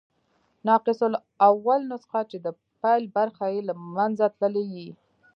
ناقص الاول نسخه، چي د پيل برخي ئې له منځه تللي يي.